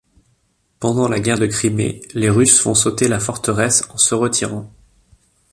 Pendant la guerre de Crimée, les Russes font sauter la forteresse en se retirant.